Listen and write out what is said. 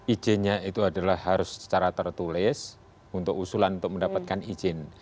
izinnya itu adalah harus secara tertulis untuk usulan untuk mendapatkan izin